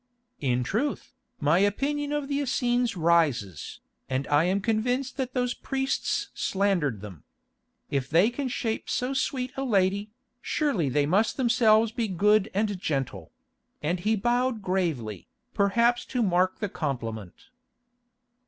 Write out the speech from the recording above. "In truth, my opinion of the Essenes rises, and I am convinced that those priests slandered them. If they can shape so sweet a lady, surely they must themselves be good and gentle"; and he bowed gravely, perhaps to mark the compliment.